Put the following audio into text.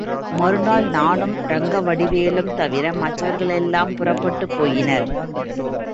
மறுநாள் நானும் ரங்கவடிவேலுவும் தவிர மற்றவர்களெல்லாம் புறப்பட்டுப் போயினர்.